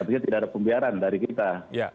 artinya tidak ada pembiaran dari kita